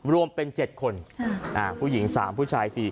รวมเป็น๗คนผู้หญิง๓ผู้ชาย๔